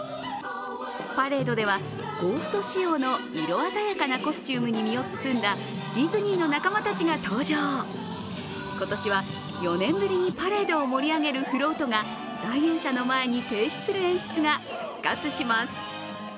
パレードではゴースト仕様の色鮮やかなコスチュームに身を包んだディズニーの仲間たちが登場、今年は４年ぶりにパレードを盛り上げるフロートが来園者の前に停止する演出が復活します。